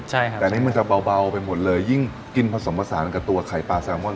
ใช่ค่ะแต่อันนี้มันจะเบาไปหมดเลยยิ่งกินผสมผสานกับตัวไข่ปลาแซลมอน